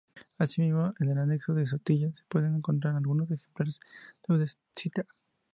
Así mismo en el Anexo de Sotillo se puede encontrar algunos ejemplares de Andesita.